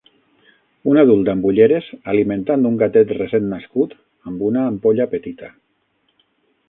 Un adult amb ulleres alimentant un gatet recent nascut amb una ampolla petita